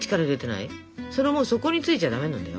それはもう底についちゃダメなんだよ。